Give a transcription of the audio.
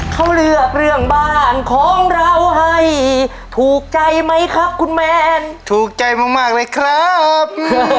เขาเลือกเรื่องบ้านของเราให้ถูกใจไหมครับคุณแมนถูกใจมากเลยครับ